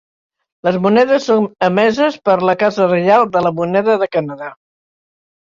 Les monedes són emeses per la Casa Reial de la Moneda de Canadà.